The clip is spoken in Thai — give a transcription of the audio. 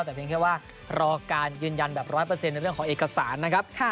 แต่เพียงแค่ว่ารอการยืนยันแบบ๑๐๐ในเรื่องของเอกสารนะครับ